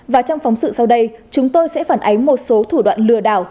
và trong phóng sự sau đây chúng tôi sẽ phản ánh một số thủ đoạn lừa đảo